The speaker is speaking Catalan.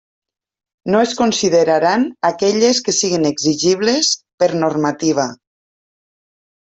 No es consideraran aquelles que siguen exigibles per normativa.